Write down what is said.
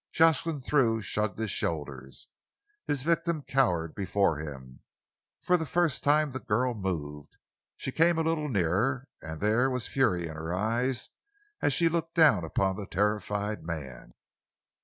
Jocelyn Thew shrugged his shoulders. His victim cowered before him. For the first time the girl moved. She came a little nearer, and there was fury in her eyes as she looked down upon the terrified man.